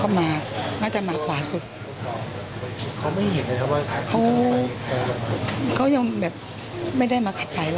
เขายังไม่ได้มาขับไฟเรา